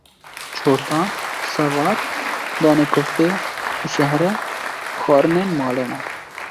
çortan, savar, danê kufte û şehre xwarinên malê ne